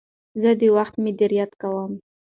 زه د وخت مدیریت کوم.